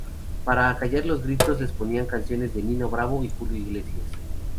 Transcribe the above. Para acallar los gritos les ponían canciones de Nino Bravo y Julio Iglesias.